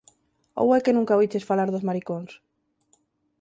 Ou é que nunca oíches falar dos maricóns?